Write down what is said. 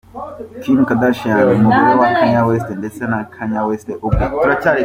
Kim Kardashian umugore wa Kanye West ndetse na Kanye West ubwe